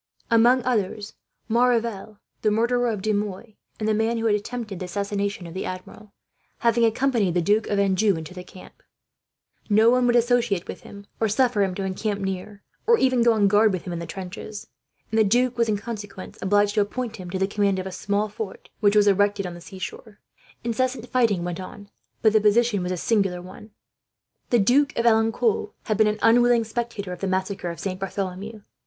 Among others, Maurevel, the murderer of De Mouy, and the man who had attempted the assassination of the Admiral, having accompanied the Duke of Anjou to the camp, no one would associate with him or suffer him to encamp near, or even go on guard with him into the trenches; and the duke was, in consequence, obliged to appoint him to the command of a small fort which was erected on the seashore. Incessant fighting went on, but the position was a singular one. The Duke of Alencon had been an unwilling spectator of the massacre of Saint Bartholomew.